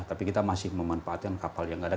tapi kita masih memanfaatkan kapal yang ada